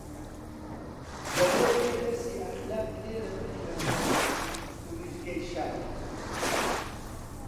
دەبێ بێ دەرسی ئەخلاق لێرە بخوێنێ کوڕیژگەی شار